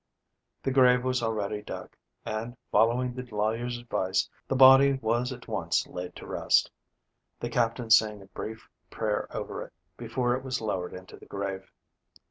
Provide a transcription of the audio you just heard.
The grave was already dug and, following the lawyer's advice, the body was at once laid to rest, the Captain saying a brief prayer over it before it was lowered into the grave.